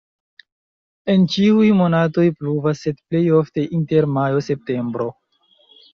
En ĉiuj monatoj pluva, sed plej ofte inter majo-septembro.